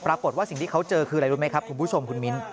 ปรากฏว่าสิ่งที่เขาเจอคืออะไรรู้ไหมครับคุณผู้ชมคุณมิ้น